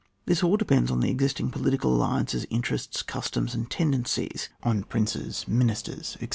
This all depends on the existing political alliances, interests, customs, and tendencies, on princes, min isters, etc.